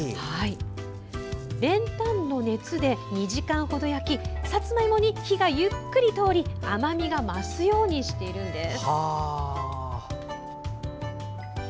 練炭の熱で２時間ほど焼きさつまいもに火がゆっくり通り甘みが増すようにしているんです。